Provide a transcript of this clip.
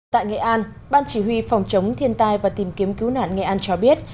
tại nghệ an ban chỉ huy phòng chống thiên tai và tìm kiếm cứu nạn nghệ an cho biết